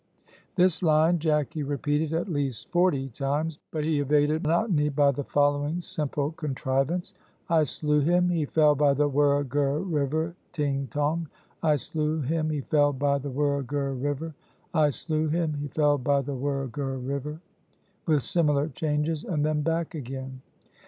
This line Jacky repeated at least forty times; but he evaded monotony by the following simple contrivance: "I slew him; he fell by the Wurra Gurra River ting tong! I slew him; he fell, by the Wurra Gurra River, I slew him; he fell, by the Wurra Gurra River," with similar changes, and then back again.